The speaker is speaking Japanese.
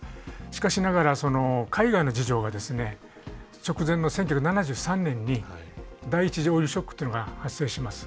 しかしながらその海外の事情がですね直前の１９７３年に第１次オイルショックっていうのが発生します。